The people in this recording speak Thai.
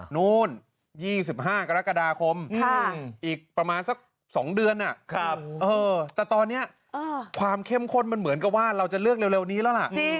นู่น๒๕กรกฎาคมอีกประมาณสัก๒เดือนแต่ตอนนี้ความเข้มข้นมันเหมือนกับว่าเราจะเลือกเร็วนี้แล้วล่ะ